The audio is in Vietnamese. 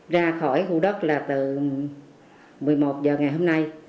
ra khỏi khu đất là từ một mươi một h ngày hôm nay